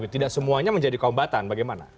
tidak semuanya menjadi kombatan bagaimana